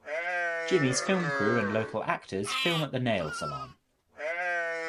Jimmy’s film crew and local actors film at the nail salon.